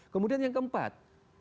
kemudian yang keempat